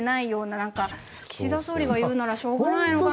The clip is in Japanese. なんか岸田総理が言うならしょうがないのかな。